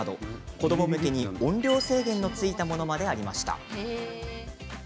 子ども向けに音量制限のついたものまでありました。